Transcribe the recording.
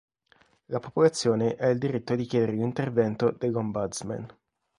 La popolazione ha il diritto di chiedere l'intervento dell'ombudsman.